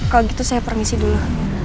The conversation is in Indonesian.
kalau gitu saya permisi dulu